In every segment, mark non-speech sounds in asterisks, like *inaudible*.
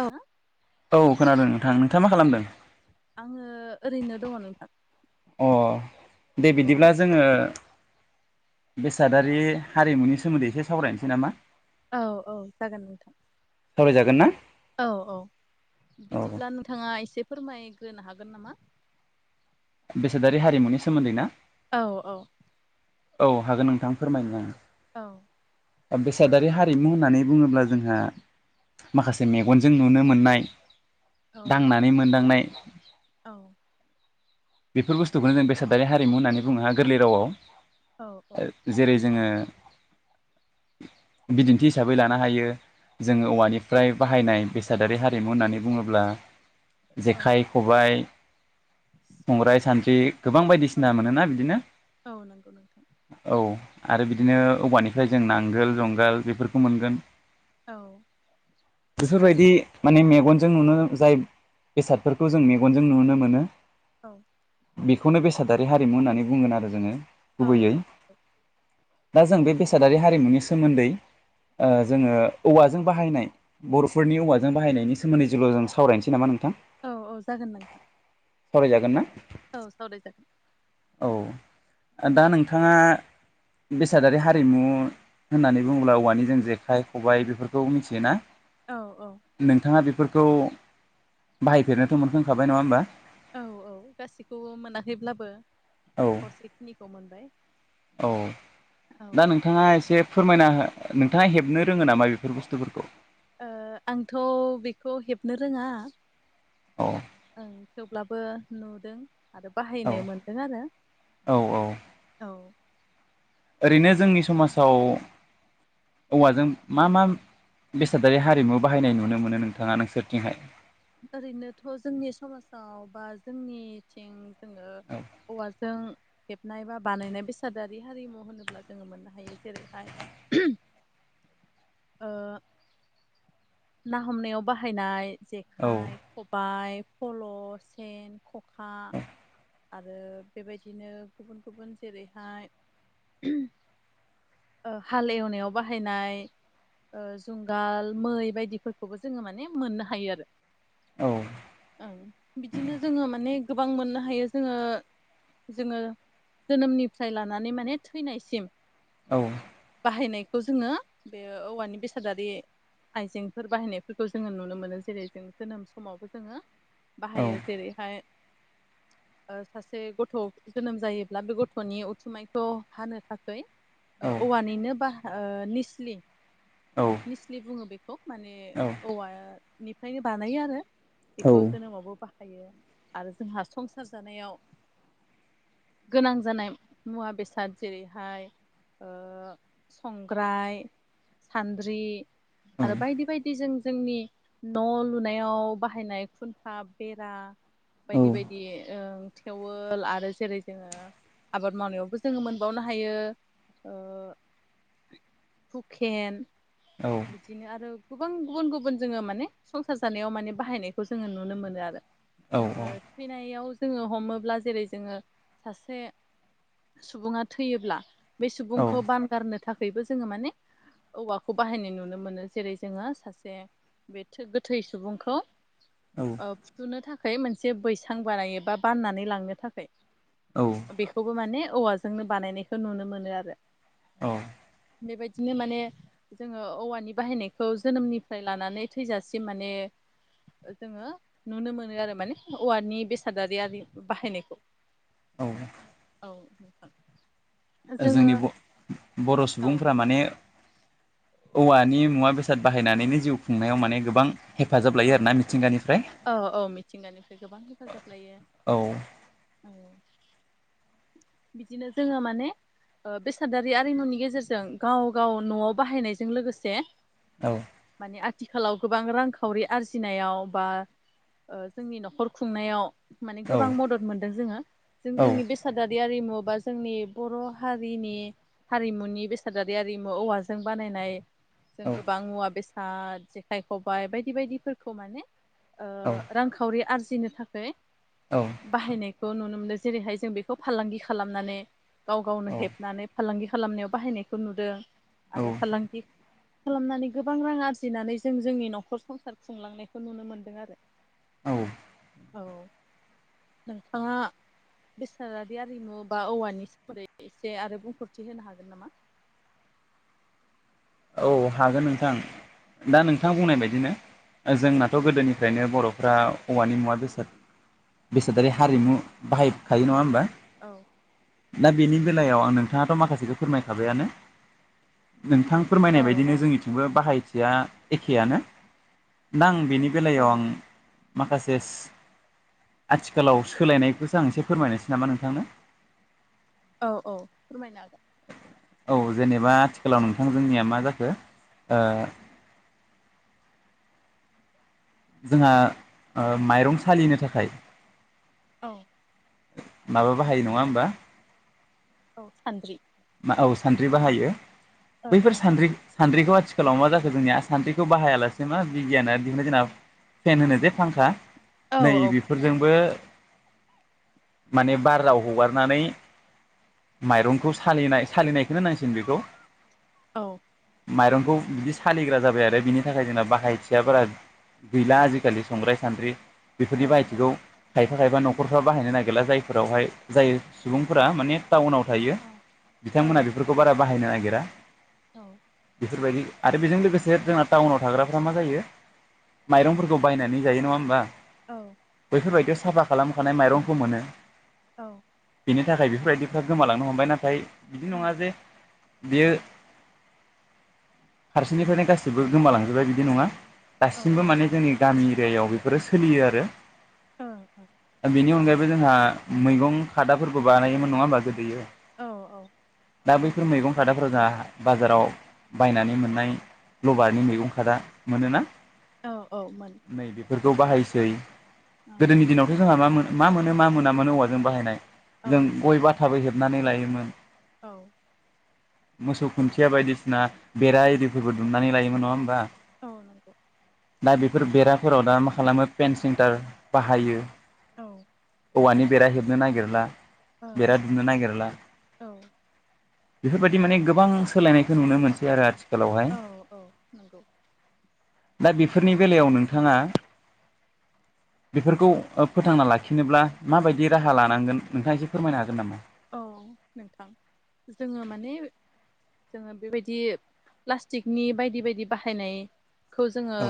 ओ औ खोनादों नोंथां नोंथांङा मा खालामदों? आंङो ओरैनो दंङ नोंथां। अ दे औ बिदिब्ला जोंङो बेसादारि हारिमुनि सोमोन्दै एसे सावरायनोसै नामा औ औ जागोन नोंथां सावरायजागोन ना औ औ औ बिदिब्ला नोंथाङा इसे फोरमायग्रोनो हागोन नामा बेसादारि हारिमुनि सोमोन्दै ना? औ-औ औ हागोन नोंथां फोरमायनो आङो। औ। बेसादारि हारिमु होननानै बुङोब्ला जोंहा माखासे मेगनजों नुनो मोननाय- औ दांनानै मोनदांनाय औ। बेफोर बुस्थुखौनो जों बेसादारि हारिमु होननानै बुङो हा गोरलै रावाव। औ-औ जेरै जोङो बिदिन्थि हिसाबै लानो हायो जोङो औवानिफ्राय बाहायनाय बेसादारि हारिमु होननानै बुङोब्ला औ जेखाइ खबाय संग्राइ, सान्द्रि गोबां औ बायदिसिना औ मोनोना बिदिनो औ नंगौ नोंथां औ। आरो बिदिनो औवानिफ्राय जों नांगोल जुंगाल बेफोरखौ मोनगोन। औ। बेफोरबायदि माने मेगनजों नुनो जाय बेसादफोरखौ जों मेगनजों नुनो मोनो। औ। बेखौनो बेसादारि हारिमु होननानै बुंगोन आरो जोङो। गुबैयै औ-औ दा जों बे बेसादारि हारिमुनि सोमोन्दै ओ जोङो औवाजों बाहायनाय बरफोरनि औवाजों बाहायनायनि सोमोन्दै जोंल जों सावरायनोसै नामा नोंथां? औ-औ जागोन नोंथां। सावराय जागोन। जागोन ना? औ सावराय जागोन। औ। दा नोंथाङा बेसादारि हारिमु होननानै बुङोब्ला औवानि जों जेखाइ खबाइ बेफोरखौ मिथियोना? औ औ नोंथाङा बेफोर खौ बाहायफेरनोथ' मोनखांखाबाय नङा होमबा? औ औ गासैखौबो मोनाखैब्लाबो औ खावसे खिनिखौ मोनबाय। औ औ दा नोंथाङा एसे फोरमायना हो नोंथाङा हेबनो रोङो नामा बेफोर बुस्थुफोरखौ? ओ आंथ' बेखौ हेबनो रोङा। औ ओं थेवब्लाबो नुदों। आरो औ बाहायनो मोनदों आरो औ औ औ। ओरैनो जोंनि समाजाव औवाजों मा मा बेसादारि हारिमु बाहायनाय नुनो मोनो नोंथाङा नोंसोरथिंहाय? ओरैनोथ' जोंनि समाजाव बा जोंनिथिं जोङो औ औवाजों हेबनाय बा बानायनाय बेसादारि हारिमु होनोब्ला जोङो मोननो हायो जेरैहाय ओ ना हमनायाव बाहायनाय औ खाइ खबाइ। फल' सेन खखा आरो बेबायदिनो गुबुन गुबुन जेरैहाय ओ हाल एवनायाव बाहायनाय जुंगाल मै बायदिफोरखौबो जोङो माने मोननो हायो आरो। औ ओं बिदिनो जोङो माने गोबां मोननो हायो जोङो जोङो जोनोमनिफ्राय लानानै माने थैनाय सिम औ बाहायनायखौ जोङो बे औवानि बेसादारि आयजेंफोर बाहायनायफोरखौ जोङो नुनो मोनो जेरै जों जोनोम समावबो जोङो औ बाहायो जेरैहाय सासे गथ' जोनोम जायोब्ला बे गथ'नि उथुमाइखौ हानो थाखै औ ओ औवानिनो बा निस्लि औ निस्लि बुङो बे खौ माने औ औवा निफ्रायनो बानायो आरो। औ बेखौ जानो मावाबो बा हायो आरो जोंहा संसार जानायाव गोनां जानाय मुवा बेसाद जेरैहाय ओ संग्राइ सानद्रि आरो बायदि बायदि जों जोंनि न' लु नुनायाव बाहायनाय खुन्था बेरा बायदि बायदि ओ थेवोल आरो जेरै जोङो आबाद मावनायावबो जों मोनबावनो हायो हुखेन औ बिदिनो आरो गोबां गुबुन गुबुन जोङो माने संसार जानायाव माने बाहायनायखौ जोङो नुनो मोनो आरो जोङो थैनायाव जोङो हमोब्ला जेरै जोङो सासे सुबुङा थैयोब्ला बे सुबुंखौ बान गारनो थाखा यबो जोङो माने औवाखौ बाहायनाय नुनो मोनो जेरै जोङो सासे गोथै सुबुंखौ अ फुथुनो थाख खाय मोनसे बैसां बानायबा बाननानै लांनो थाखाय औ बेखौबो माने औवाजोंनो बानायनायखौ नुनो मोनो आरो औ बेबायदिनो माने जोङो औवानि बाहायनायखौ जोनोमनिफ्राय लानानै थैजासिम माने जोङो नुनो मोनो आरो माने औवानि बेसादारि आरि बाहायनायखौ औ औ जोङो जोंनि ब-बर औ सुबुंफोरा माने औवानि मुवा बेसाद बाहायनानैनो जिउ खुंनायाव माने गोबां हेफाजाब लायो औ आरोना मिथिंगानिफ्राय औ औ मिथिंगानिफ्राय गोबां हेफाजाब लायो औ औ बिदिनो जोङो माने ओ बेसादारि आरिमुनि गेजेरजों गाव गाव न'आव बाहायनायजों लोगोसे औ आथ थिखालाव गोबां रां खावरि आरजिनायाव बा ओ जोंनि नखर खुंनायाव माने औ गोबां मदद मोनदों जोङो जों औ जोंनि बेसादारि आरिमु मु बा जोंनि बर हारिनि हारिमुनि बेसादारि आरिमु औवाजों बानायनाय जों औ गोबां मुवा बेस साल जेखाय खबाय बायद दि बायदिफोरखौ माने ओ औ रांखावरि आरजि जिनो थाखै बाहायनाय खौ नुनो मोनदों जेरैहाय जों बेखौ फालांगि खालामनानै गाव गावनो हेबनानै फालांगि खालामनायाव बाहायनायखौ नुदों। औ आरो फालांगि खालामनानै गोबां रां आरजिनानै जों जोंनि नखर स सार खुंलांनायखौ नुनो मोनदों आरो। औ। औ नोंथाङा बेसादादि आरिमु बा औवानि सोमोन्दै एसे आरो बुंफोरथि होनो हागोन नामा? औ हागोन नोंथां दा नोंथां बुंनाय बायदिनो ओ औ जोंनाथ गोदोनि दोफ्रायनो बरफ्रा औवानि मुवा बेसाद बेसादारि हारिमु बाहायखायो नङा होमबा? औ। दा बेनि बेलायाव आं नोंथाङाथ माखासेखौ फोरमायखाबायानो नोंथां फोरमायनाय औ बायदिनो औ जोंनिथिंबो बाहायथि याखेयानो दा आं बेनि औ बेलायाव आं माखासेस आथिखालाव सोलायनायखौसो आं एसे फोरमायनोसै नामा नोंथांनो? औ औ फोरमायनो हागोन। औ जेनेबा आथिखालाव नोंथां जोंनिया मा जाखो ओ जोंहा ओ माइरं सालिनो थाखाय औ। माबा बाहायो नङा होमबा? औ सानद्रि मा औ सानद्रि बाहायो। औ बैफोर सानद्रि सानद्रिखौ हा आथिखालाव मा जाखो जोंनिया आसान्थिखौ बाहायालासे मा बिगियाना दिहुननो जोंना फेन होनो जे फांखा औ नै बेफोरजोंबो माने बाराव हगारनानै माइरंखौ स सालिनाय सालिनायखौनो नांसिग बेखौ। औ। माइरंखौ बिदि सालिग्रा जाबाय आरो बिनि थाखाय जोंना बाहायथिया बारा गैला आजिखालि संग्राय -सान्द्रि औ बेफोरनि औ बाहायथिखौ थाइ थाखाय बा न'खरफ्रा बाहायनो नागिरला जायफोरावहाय जाय सुबुंफोरा माने टाउनाव थायो। औ बिथांमोना बेफोरखौ बारा बा बाहायनो नागिरा औ। बेफोरबायदि आरो बेजों लोगोसे जोंना टाउनाव थाग्राफ्रा मा जायो माइरंफोरखौ बायनानै जायो नङा होमबा? औ। बेफोरबायदियाव साफा खालामखानाय माइरंखौ मोनो। औ। बेनि थाखाय बेफोरबायदिफ्रा गोमालांनो हमबाय नाथाय बिदि नङा जे बेयो *inaudible* फारसेनिफ्रायनो गासैबो गोमालांजोबबाय बिदि नङा। औ दासिमबो माने जोंनि गामि एरियायाव बेफोरो सोलियो आरो ओ ओ बेनि अनगायैबो जोंहा मैगं खादाफोरबो बानायोमोन नङा होमबा गोदोयो? औ औ दा बैफोर मैगं खादाफोरा जोंहा बाजाराव बायनानै मोननाय लबारनि मैगं खादा मोनोना? औ औ मोन नै बेफोरखौ बाहायसै गोदोनि दिनावथ' जोंहा मा मो मा मोनो मा मोनामोन औवाजों बाहायनाय जों औ गय बा था बो हेबनानै लायोमोन। औ मोसौ खुन्थिया बायदिसिना बेरा इरिफोरबो दुमनानै लायोमोन नङा होमबा? औ नंगौ दा बेफोर बेराफोराव दा मा खालामो पेन सेन्टार बाहायो। औ औवानि बेरा हेबनो नागिरला ओं बेेरा दुमनो नागिरला औ बेफोरबायदि माने गोबां सोलायनायखौ नुनो मोनसै आरो आथि खालावहाय औ औ नंगौ दा बेफोरनि बेलायाव नोंथाङा बेफोरखौ ओ फोथांना लाखिनोब्ला माबायदि राहा लानांगोन नोंथाङा एसे फोरमायनो हागोन नामा? औ नोंथां जोङो माने जोङो बेबायदि प्लास्टिकनि बायदि बायदि बाहायनाय खौ जोङो औ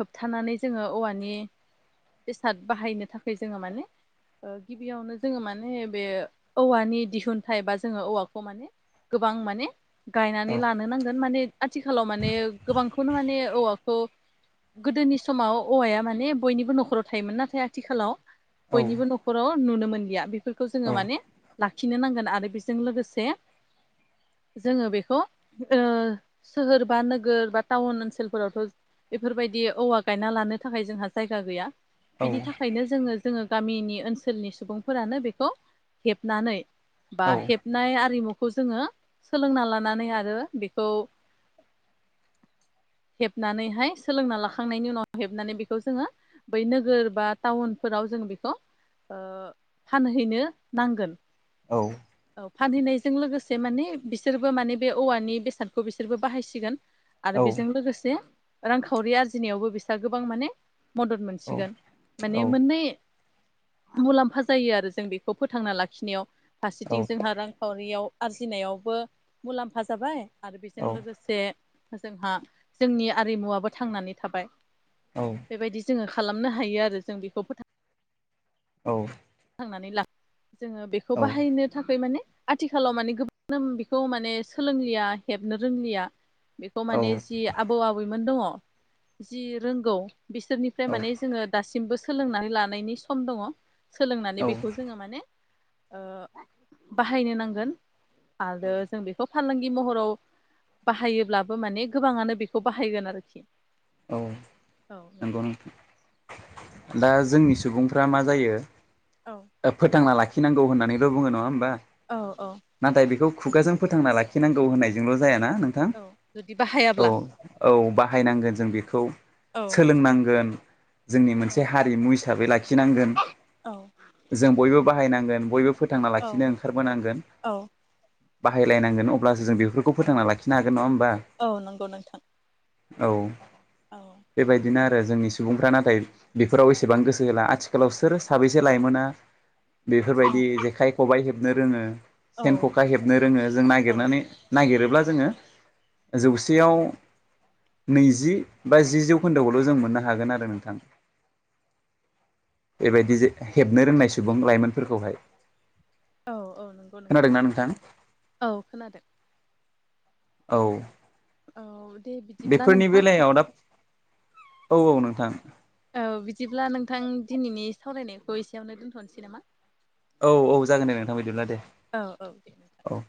होबथानानै जोङो औवानि बेसाद बाहायनो थाखाय जोङो माने ओ गिबियावनो जोङो माने बे औवानि दिहुनथाइ बा जोङो औवाखौ माने गोबां माने गायनानै औ लानो नांगोन माने आथिखालाव माने गोबांखौनो माने औवाखौ गोदोनि समाव औवाया माने बयनिबो न'खराव थायोमोन नाथाय आथिखालाव औ बयनिबो न'खराव नुनो मोनलिया बेफोर खौ जोङो औ माने लाखिनो नांगोन आरो बेजों लोगोसे जोङो बेखौ ओ सोहोर बा नोगोर बा टाउन ओनसोलफोरावथ' बेफोरबायदि औवा गायना लानो थाखाय जोंहा जायगा गैया। औ बिनि थाखायनो जोङो जोङो गामिनि ओनसोलनि सुबुंफोरानो बे खौ हेबनानै बा औ हेबनाय आरिमु खौ जोङो सोलोंना लानानै आरो बेखौ हेबनानैहाय सोलोंना लाखांनायनि उनाव हेबनानै बेखौ जोङो बै नोगोर बा टाउनफोराव जों बेखौ फानहैनो नांगोन औ औ फानहैनायजों लोगोसे माने बिसोरबो माने बे औवानि बेसादखौ बिसोरबो बाहायसिगोन आरो औ बेजों लोगोसे रांखावरि आरजिनायावबो बिस्रा गोबां माने मदद औ मोनसिगोन माने औ मोननै मुलाम्फा जायो आरो जों बेखौ फोथांना लाखिनायाव फारसेथिं जोंहा रांखावरियाव आरजिनायावबो मुलाम्फा जाबाय आरो बेजों लोगोसे जोंहा जोंनि आरिमुआबो थांनानै थाबाय। बेबायदि जोंङो खालामनो हायो आरो जों बिखौ फो औ थांनानै ला जोंङो बेखौ बाहायनो थाखाय माने आथिखालाव माने गोबनो बिखौ माने सोलोंलिया हेबनो रोंलिया बेखौ माने जि आबौ आबैमोन दङ जि रोंगौ बिसोरनिफ्राय माने जोंङो दासिमबोसो सोलोंनानै लानायनि सम दङ। सोलोंनानै बेखौ जोंङो माने। ओ बाहायनो नांगोन। आरो जों बेखौ फालांगि महरावब बाहायोब्लाबो माने गोबांङानो बेखौ बाहायगोन आरोखि औ औ नोंगौ नोंथां नोंथां दा जोंनि सुबुंफ्रा मा जायो। औ ओ फोथांना ला खि नांगौ होननैल' बुङो नङा होमबा। औ औ। नाथाय बेखौ खुगाजों फोथांना लाखिनांगौ होननायजोंल'ज जाया ना नोंथां औ जुदि औ बाहायाब्ला औ बाद हायनांगो न जों बिखौ। औ सोलोंनांगोन। जोंनि मोनसे हारिमु हिसाब साबै लाखि। खिनांगोन औ जों बयबोब बाहायनांगोन बयबोब। फोथांना औ लाखिनो ओंखारबोनांगोन। औ बाहायलायनांगोन अब्लासो जों बेफोरखौ फोथांना लाखिनो हागोन नङा होमब औ नंगौ नोंथां। औ। औ बेबायदिनो आरो जोंनि सुबुंफ्रा नाथाय बेफोराव एसेबां गोसो होला आथिखालाव सोर साबैसे लाइमोना औ बेफोरबायदि जेखाय खबाइ हेब हेबनो रोङो सेन ख'खा हेबनो रोङो जों औ नागिरनानै नागिरोब ब्ला जोङो जौसेयाव नैजि बा जि जौखोन्दोखौल' जों मोननो हागोन आरो नोंथां बेबायदि जे हेबनो रोंनाय सुबुं लाइमोनफोरखौहाय औ औ नंगौ नोंथां औ खोनादों औ औ दे बिदिब्ला बेफोरनि नोंथां बेलायाव दा औ औ नोंथां औ बिदिब्ला नोंथां दिनैनि सावरायनायखौ एसेयावनो दोनथ'नोसै नामा? औ औ जागोन दे नोंथां बिदिब्ला दे औ औ दे औ